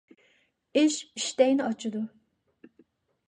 ئىش ئىشتەينى ئاچىدۇ.